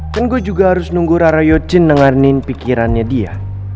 kan gue juga harus nunggu rara yucin dengarniin pikirannya dia